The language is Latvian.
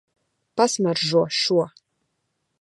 Pasmaržo šo.